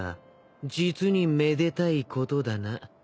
実にめでたいことだな。